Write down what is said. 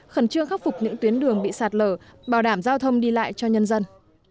khẩn trương khắc phục những tuyến đường bị sạt lở bảo đảm giao thông đi lại cho nhân dân